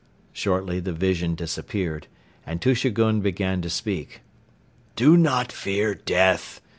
Shortly the vision disappeared and Tushegoun began to speak. "Do not fear death!